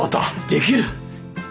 できる！